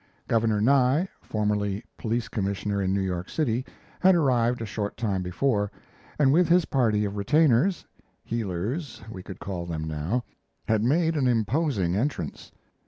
Governor Nye, formerly police commissioner in New York City, had arrived a short time before, and with his party of retainers ("heelers" we would call them now), had made an imposing entrance.